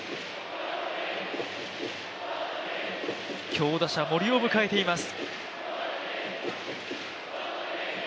強打者・森を迎えています。